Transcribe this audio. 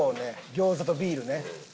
餃子とビールね。